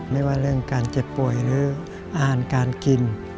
ไม่ว่าเรื่องการเจ็บป่วยหรืออาหารการกิน